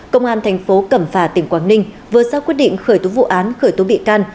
công an thành phố cẩm phả tỉnh quảng ninh vừa ra quyết định khởi tố vụ án khởi tố bị can